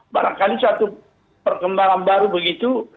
barangkali satu perkembangan baru begitu